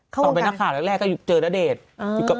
ต่อไปหน้าข่าวแรกก็เจอระเด็ด